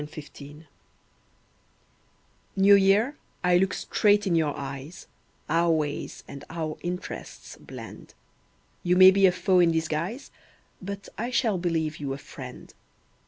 NEW YEAR New Year, I look straight in your eyes— Our ways and our interests blend; You may be a foe in disguise, But I shall believe you a friend.